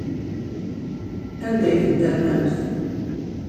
Anda ay tent-ternamt?